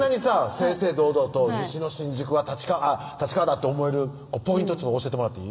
正々堂々と西の新宿は立川だって思えるポイント教えてもらっていい？